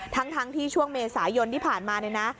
ทั้งที่ช่วงเมษายนที่ผ่านมาเนี่ยนะ